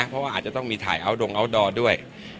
เพราะว่าอาจจะต้องมีถ่ายอัลดงอัลดอร์ด้วย